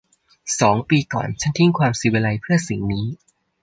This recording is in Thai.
สองปีก่อน ฉันทิ้งความศิวิไลซ์เพื่อสิ่งนี้